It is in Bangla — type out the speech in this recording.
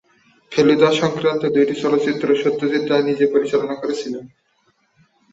ফেলুদা সংক্রান্ত দুইটি চলচ্চিত্র সত্যজিৎ রায় নিজে পরিচালনা করেছিলেন।